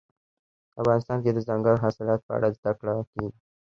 افغانستان کې د دځنګل حاصلات په اړه زده کړه کېږي.